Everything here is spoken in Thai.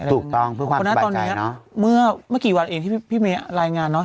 อะไรอย่างงี้ถูกต้องเพื่อความสบายใจเนอะเพราะฉะนั้นตอนนี้เมื่อเมื่อกี้วันเองที่พี่มีรายงานเนอะ